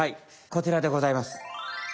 こちらでございます。